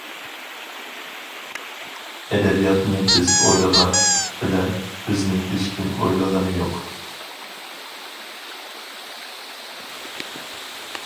ئەدەبىياتنى بىز ئويلىغان بىلەن بىزنى ھېچكىم ئويلىغىنى يوق.